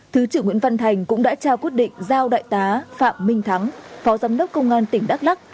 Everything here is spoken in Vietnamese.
thứ trưởng nguyễn văn thành cũng đã trao quyết định giao đại tá phạm minh thắng phó giám đốc công an tỉnh đắk lắc